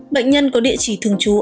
bệnh nhân có địa chỉ thường trú